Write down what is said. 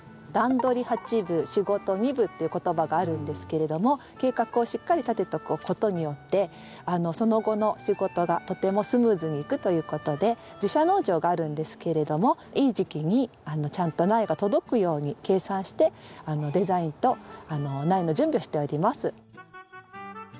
「段取り八分仕事二分」っていう言葉があるんですけれども計画をしっかり立てておくことによってその後の仕事がとてもスムーズにいくということで自社農場があるんですけれどもいい時期にちゃんと苗が届くように計算してデザインと苗の準備をしております。